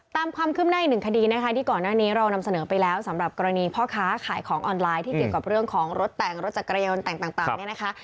ตามความคืบหน้าอีกหนึ่งคดีนะคะที่ก่อนหน้านี้เรานำเสนอไปแล้วสำหรับกรณีพ่อค้าขายของออนไลน์ที่เกี่ยวกับเรื่องของรถแต่งรถจักรยานยนต์แต่งต่างเนี่ยนะคะ